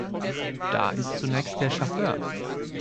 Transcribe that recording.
Da ist zunächst der Chauffeur.